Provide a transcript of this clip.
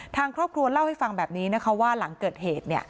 ทางครอบครัวเล่าให้ฟังแบบนี้นะคะว่าหลังเกิดเหตุ